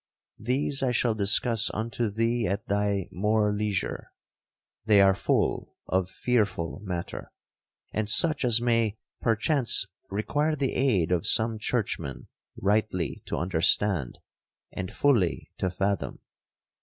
These I shall discuss unto thee at thy more leisure. They are full of fearful matter, and such as may perchance require the aid of some churchman rightly to understand, and fully to fathom.